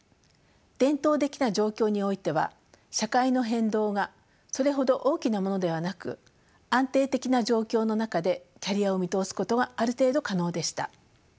伝統的な状況においては社会の変動がそれほど大きなものではなく安定的な状況の中でキャリアを見通すことがある程度可能でした。